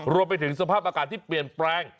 รวมไปถึงสภาพอากาศที่เปลี่ยนแปลง